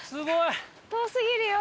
遠すぎるよ。